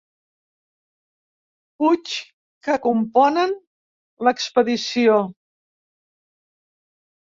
Puig que componen l'expedició.